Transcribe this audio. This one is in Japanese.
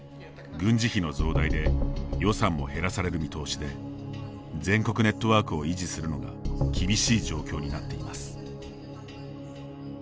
軍事費の増大で予算も減らされる見通しで全国ネットワークを維持するのが厳しい状況になっています。